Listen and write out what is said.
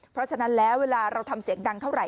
เพราะฉะนั้นแล้วเวลาเราทำเสียงดังเท่าไห